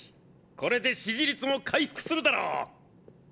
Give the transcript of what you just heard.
これで支持率も回復するだろう！